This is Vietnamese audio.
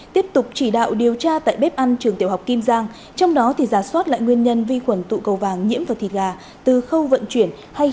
tiếp tục chỉ đạo điều tra tại bếp ăn trường tiểu học kim giang trong đó giả soát lại nguyên nhân vi khuẩn tụ cầu vàng nhiễm vào thịt gà từ khâu vận chuyển hay trong món thịt gà